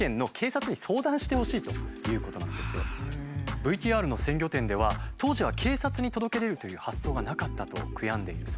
ＶＴＲの鮮魚店では当時は警察に届け出るという発想がなかったと悔やんでいるそうです。